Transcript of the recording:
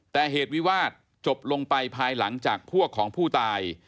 แต่เหตุวิวาสจบลงไปภายหลังจากพวกของผู้ตาย